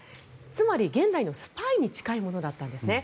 つまり、現代のスパイに近いものだったんですね。